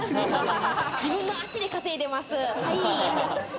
自分の足で稼いでいます。